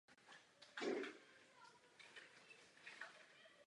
Po úspěchu této zásilky se akce ještě několikrát opakovala.